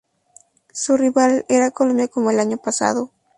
Su rival, era Colombia como el año pasado.